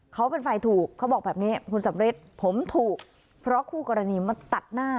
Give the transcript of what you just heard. เขาเป็นฝ่ายถูกเขาบอกแบบนี้คุณสำริทผมถูกเพราะคู่กรณีมาตัดหน้า